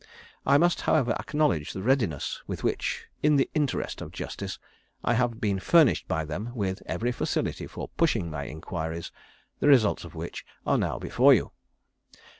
I must, however, acknowledge the readiness with which, in the interest of justice, I have been furnished by them with every facility for pushing my enquiries, the results of which are now before you.